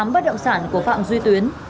tám bất động sản của phạm duy tuyến